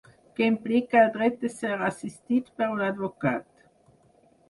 Què implica el dret de ser assistit per un advocat.